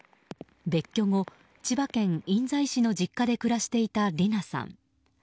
別居後、千葉県印西市の実家で暮らしていた理奈さん。